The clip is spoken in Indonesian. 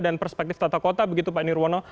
dan perspektif tata kota begitu pak nirwono